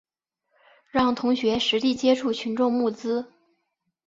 让同学实地接触群众募资